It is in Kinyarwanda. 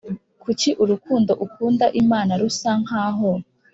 Kuki urukundo ukunda imana rusa nk aho